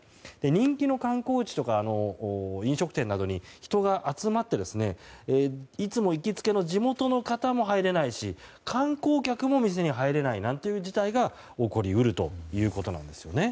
人気の観光地とか飲食店などに人が集まっていつも行きつけの地元の方も入れないし、観光客も店に入れないなんていう事態が起こり得るということなんですね。